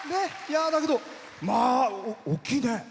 だけど、大きいね。